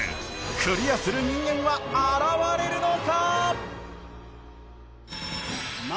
クリアする人間は現れるのか？